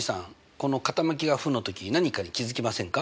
この傾きが負の時何かに気付きませんか？